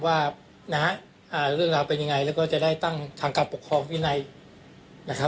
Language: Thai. ว่าน่ะอ่าเรื่องราวเป็นยังไงแล้วก็จะได้ตั้งทางกรรมปกครอง